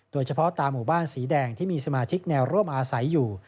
โดยเฉพาะตามหมู่บ้านสีแดงที่มีสมาชิกแนวร่วมอาศัยอยู่